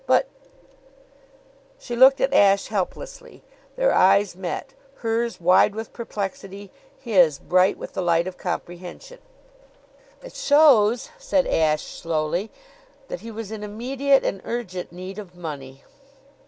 "But " She looked at Ashe helplessly. Their eyes met hers wide with perplexity, his bright with the light of comprehension. "It shows," said Ashe slowly, "that he was in immediate and urgent need of money."